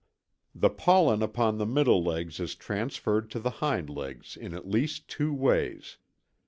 ] The pollen upon the middle legs is transferred to the hind legs in at least two ways.